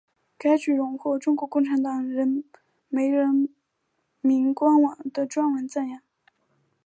该剧荣获中国共产党党媒人民网的专文赞扬。